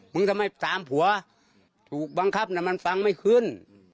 ทำไมตามผัวถูกบังคับมันฟังไม่ขึ้น